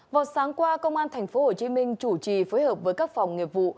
vào sáng qua công an tp hcm chủ trì phối hợp với các phòng nghiệp vụ